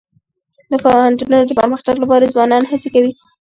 د پوهنتونونو د پرمختګ لپاره ځوانان هڅي کوي.